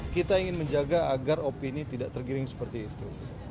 kita ingin menjaga agar opini tidak tergiring seperti itu